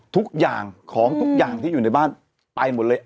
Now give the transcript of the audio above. ทุกอย่างของทุกอย่างที่อยู่ในบ้านไปหมดเลย